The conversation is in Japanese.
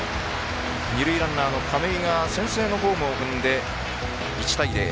二塁ランナーの亀井が先制のホームを踏んで１対０。